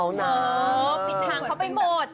ปิดทางเขาไปหมด